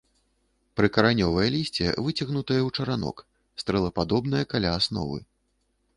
Прыкаранёвае лісце выцягнутае ў чаранок, стрэлападобнае каля асновы.